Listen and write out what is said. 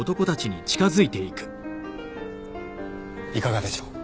いかがでしょう。